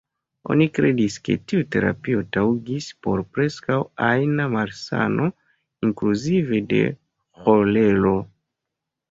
Oni kredis ke tiu terapio taŭgis por preskaŭ ajna malsano inkluzive de ĥolero.